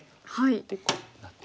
でこうなって。